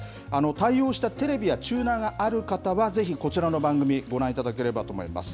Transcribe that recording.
対応したテレビやチューナーがある方は、ぜひこちらの番組、ご覧いただければと思います。